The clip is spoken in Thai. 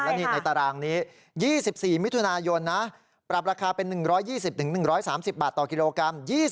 แล้วนี่ในตารางนี้๒๔มิถุนายนนะปรับราคาเป็น๑๒๐๑๓๐บาทต่อกิโลกรัม